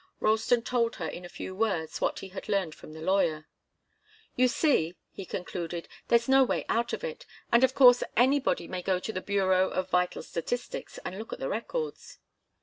Ralston told her in a few words what he had learned from the lawyer. "You see," he concluded, "there's no way out of it. And, of course, anybody may go to the Bureau of Vital Statistics and look at the records."